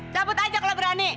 cabut aja kalau berani